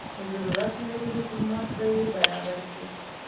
ضرورت لري حکومت به یې برابر کړي.